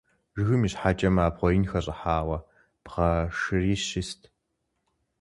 Жыгым и щхьэкӏэм абгъуэ ин хэщӏыхьауэ бгъэ шырищ ист.